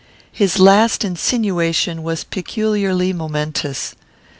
His last insinuation was peculiarly momentous.